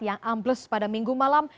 yang ambles pada minggu malam